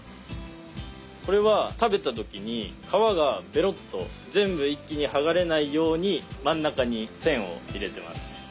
これは食べた時に皮がベロッと全部一気にはがれないように真ん中に線を入れてます。